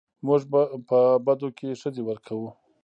موږ په بدو کې ښځې ورکوو